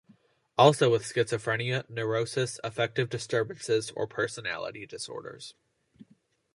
Also with schizophrenia, neurosis, affective disturbances or personality disorders.